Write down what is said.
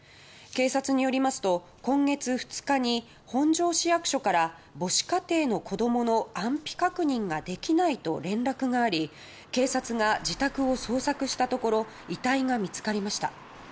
警察によりますと、今月２日に本庄市役所から母子家庭の子供の安否確認ができないと連絡があり警察が自宅を捜索したところ遺体が見つかりました。